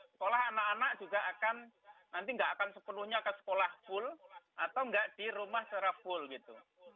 sekolah anak anak juga akan nanti nggak akan sepenuhnya ke sekolah full atau nggak di rumah secara full gitu